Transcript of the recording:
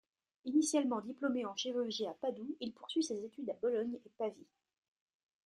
Initialement diplômé en Chirurgie à Padoue, il poursuit ses études à Bologne et Pavie.